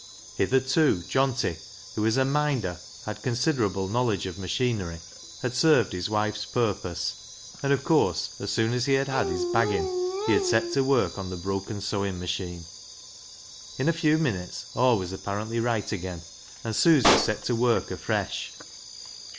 Hitherto Johnty, who, as a minder, had considerable knowledge of machinery, had served his wife's purpose, and of course, as soon as he had had his " baggin'," he had to set to work on the broken sewing machine. In a few minutes all was apparently right again, and Susy set to work afresh.